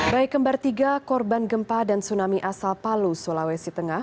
bayi kembar tiga korban gempa dan tsunami asal palu sulawesi tengah